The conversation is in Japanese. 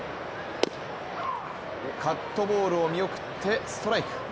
カットボールを見送ってストライク。